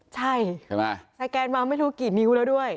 ใช่ไหมสแกนมาไม่รู้กี่นิ้วแล้วด้วย